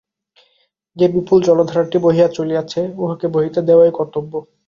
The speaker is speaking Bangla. যে বিপুল জলধারাটি বহিয়া চলিয়াছে, উহাকে বহিতে দেওয়াই কর্তব্য।